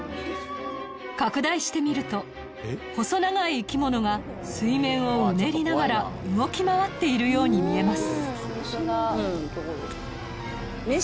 拡大してみると細長い生き物が水面をうねりながら動き回っているように見えます